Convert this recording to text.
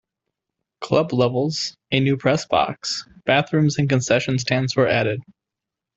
Club levels, a new press box, bathrooms and concession stands were added.